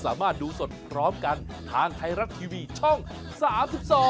สวัสดีค่ะ